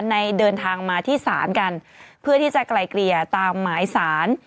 เดินทางมาที่ศาลกันเพื่อที่จะไกลเกลี่ยตามหมายสาร